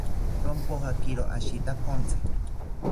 Rompojakiro ashitakontzi